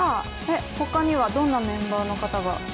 他にはどんなメンバーの方が？